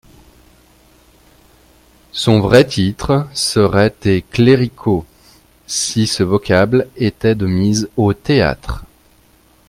Son vrai titre serait tes Cléricaux, si ce vocable était de mise au théâtre.